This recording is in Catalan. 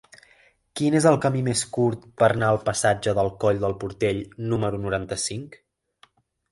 Quin és el camí més curt per anar al passatge del Coll del Portell número noranta-cinc?